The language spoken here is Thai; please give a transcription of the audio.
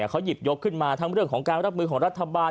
เขาหยิบยกขึ้นมาทั้งเรื่องของการรับมือของรัฐบาล